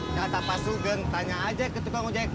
kata pak sugeng tanya aja ke tukang ojek